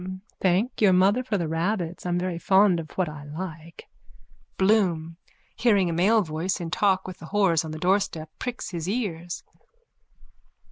Thank your mother for the rabbits. I'm very fond of what I like. BLOOM: _(Hearing a male voice in talk with the whores on the doorstep, pricks his ears.)